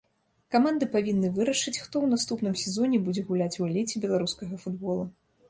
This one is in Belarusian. Каманды павінны вырашыць, хто ў наступным сезоне будзе гуляць у эліце беларускага футбола.